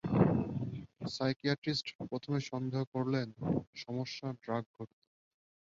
Psychiatrist প্রথমে সন্দেহ করলেন সমস্যা ড্রাগঘটিত।